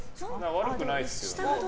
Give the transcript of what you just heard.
悪くないですよね。